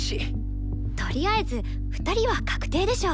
とりあえず２人は確定でしょ。